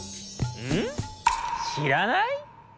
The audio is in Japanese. うん？しらない？